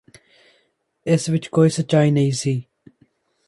ਇਸ ਵਿੱਚ ਕੋਈ ਸੱਚਾਈ ਨਹੀਂ ਸੀ